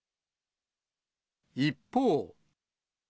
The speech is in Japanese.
一方。